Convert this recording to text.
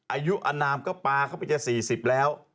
อายุอนามก็ปลาเข้าไปจะ๔๐แล้ว